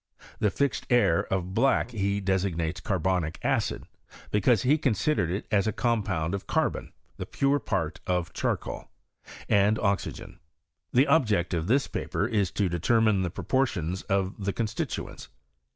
The fixed air of filack he deaig Mii:e9 carhomic acidy because he considered it as a eonpound of carbom (the pore part of charcoal) and MT^rtu. The object of this paper is to determint the piv>|Miition of the constituents.